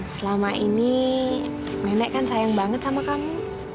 selama ini nenek kan sayang banget sama kamu